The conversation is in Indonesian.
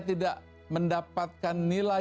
dan tidak mendapatkan nilai yang seharusnya dihormati